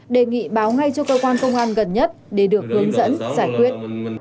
đề nghị báo ngay cho cơ quan công an gần nhất để được hướng dẫn giải quyết